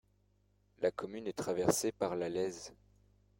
La commune est traversée par la Lèze.